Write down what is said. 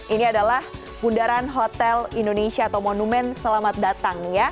ini adalah bundaran hotel indonesia atau monumen selamat datang